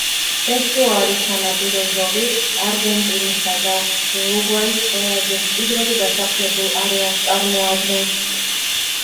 ესტუარის სანაპირო ზოლი არგენტინისა და ურუგვაის ყველაზე მჭიდროდ დასახლებულ არეალს წარმოადგენს.